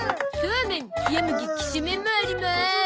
そうめんひやむぎきしめんもあります。